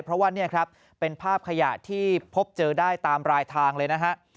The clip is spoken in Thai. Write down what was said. เพราะว่านี่ครับเป็นภาพขยะที่พบเจอได้ตามรายทางเลยนะฮะ